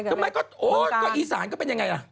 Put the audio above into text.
ทำไมก็อีสานก็เป็นอย่างไรล่ะ